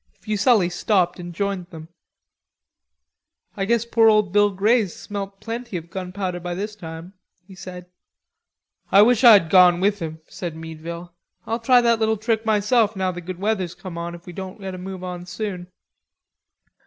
Fuselli stopped and joined them. "I guess poor old Bill Grey's smelt plenty of gunpowder by this time," he said. "I wish I had gone with him," said Meadville. "I'll try that little trick myself now the good weather's come on if we don't get a move on soon."